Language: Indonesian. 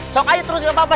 sok aja terus gak apa apa